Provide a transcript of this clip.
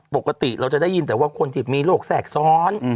ปกติเราจะได้ยินแต่ว่าคนที่มีโรคแทรกซ้อน